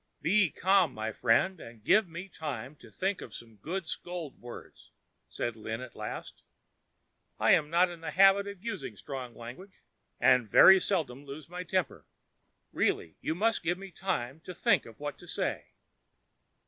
"Be calm, my friend, and give me time to think of some good scold words," said Lin at last. "I am not in the habit of using strong language, and very seldom lose my temper. Really you must give me time to think of what to say."